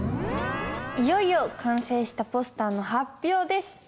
いよいよ完成したポスターの発表です！